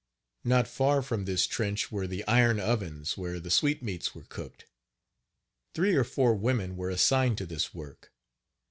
Not far from this trench were the iron ovens, where the sweetmeats were cooked. Three or four women were assigned to this work.